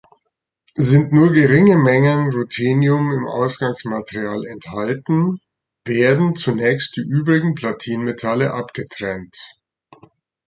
Sind nur geringe Mengen Ruthenium im Ausgangsmaterial enthalten, werden zunächst die übrigen Platinmetalle abgetrennt.